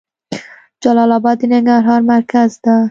جلال اباد د ننګرهار مرکز ده.